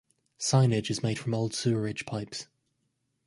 Signage is made from old sewerage pipes.